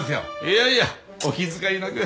いやいやお気遣いなく。